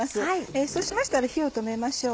そうしましたら火を止めましょう。